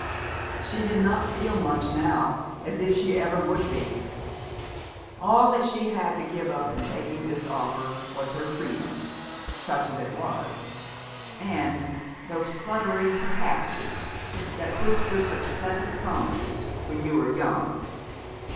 She did not feel much, now, as if she ever would be. All that she had to give up in taking this offer was her freedom, such as it was and those fluttering perhapses that whisper such pleasant promises when you are young.